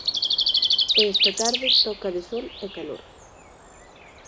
E esta tarde toca de sol e calor.